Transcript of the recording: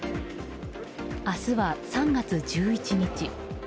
明日は３月１１日。